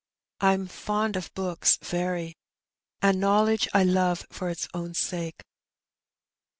I'm fond of books — very; and knowledge I love for its own sake.''